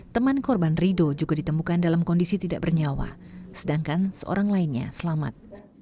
teman korban rido juga ditemukan dalam kondisi tidak bernyawa sedangkan seorang lainnya selamat